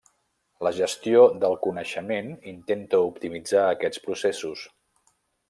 La gestió del coneixement intenta optimitzar aquests processos.